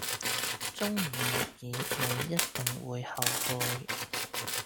忠言逆耳你一定會後悔